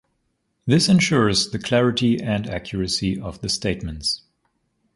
This ensures the clarity and accuracy of the statements.